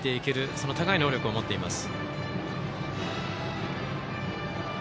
その高い能力を持っています。